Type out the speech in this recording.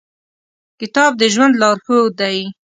کتاب د ژوند لارښود دی.